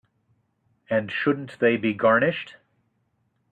And shouldn't they be garnished?